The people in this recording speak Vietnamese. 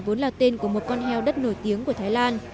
vốn là tên của một con heo đất nổi tiếng của thái lan